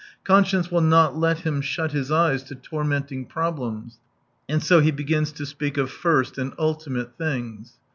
Con science will not let him shut his eyes to torrnenting problems, and so he begins to speak of "first and ultimate things."